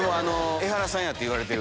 エハラさんやって。